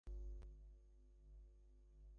Muir was born in New York City.